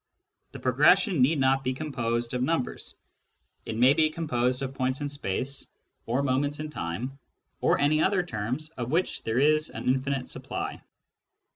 The progression need not be composed of numbers : it may be The Series of Natural Numbers 9 composed of points in space, or moments of time, or any other terms of which there is an infinite supply.